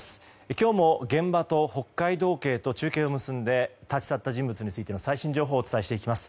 今日も、現場と北海道警と中継を結んで立ち去った人物についての最新情報をお伝えします。